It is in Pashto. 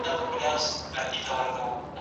تاسو به له خپلو غوښتنو تېرېږئ.